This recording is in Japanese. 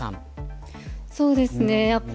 そうですね